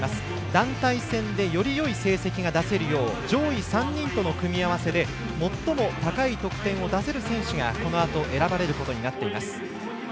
団体戦でよりよい成績が出せるよう上位３人との組み合わせで最も高い得点を出せる選手が、このあと選ばれることになっています。